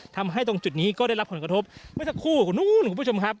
ทำให้ตรงจุดนี้ก็ได้รับผลกระทบเมื่อสักครู่นู้นคุณผู้ชมครับ